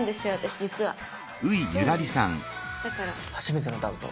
初めてのダウト？